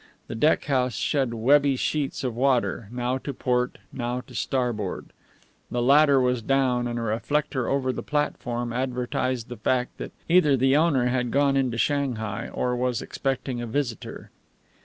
The deck house shed webby sheets of water, now to port, now to starboard. The ladder was down, and a reflector over the platform advertised the fact that either the owner had gone into Shanghai or was expecting a visitor.